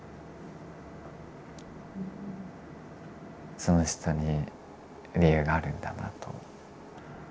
その人に理由があるんだなと。